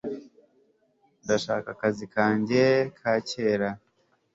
ndashaka akazi kanjye ka kera